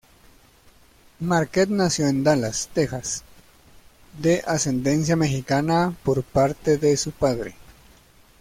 Marquette nació en Dallas, Texas, de ascendencia mexicana por parte de su padre.